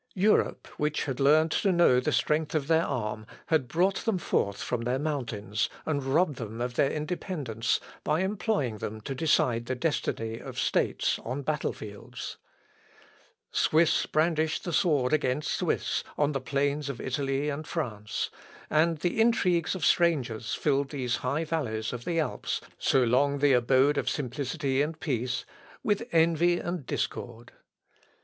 Europe, which had learned to know the strength of their arm, had brought them forth from their mountains, and robbed them of their independence, by employing them to decide the destiny of states on battle fields. Swiss brandished the sword against Swiss on the plains of Italy and France; and the intrigues of strangers filled these high valleys of the Alps, so long the abode of simplicity and peace, with envy and discord.